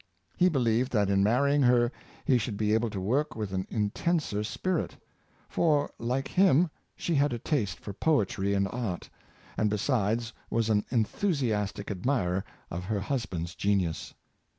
He believed that in marrying her he should be able to work with an intenser spirit; for, like him, she had a taste for poetry and art; and besides was an enthusiastic ad mirer of her husband's genius.